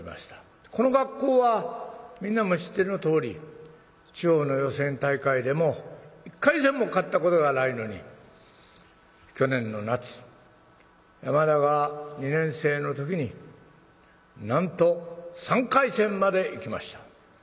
この学校はみんなも知ってのとおり地方の予選大会でも１回戦も勝ったことがないのに去年の夏山田が２年生の時になんと３回戦まで行きました。